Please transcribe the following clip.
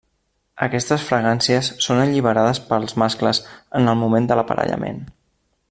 Aquestes fragàncies són alliberades pels mascles en el moment de l'aparellament.